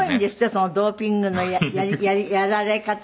そのドーピングのやられ方が。